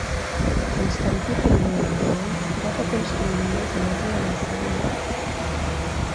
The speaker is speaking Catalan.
Constantí I el Gran va fer construir una església en el seu honor.